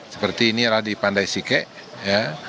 seperti ini adalah di pandai sike ya